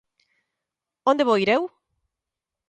Onde vou ir eu?